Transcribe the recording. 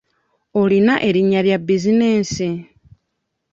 Olina erinnya lya buzinensi?